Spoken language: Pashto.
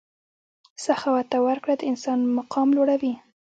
سخاوت او ورکړه د انسان مقام لوړوي.